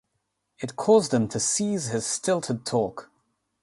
It caused him to cease his stilted talk.